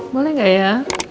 boleh enggak ya